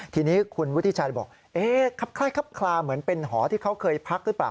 ทีนี้คุณวุฒิชัยบอกครับเหมือนเป็นหอที่เขาเคยพักหรือเปล่า